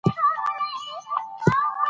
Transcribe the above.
ځيني خلک د مېلو پر مهال قومي نڅاوي ترسره کوي.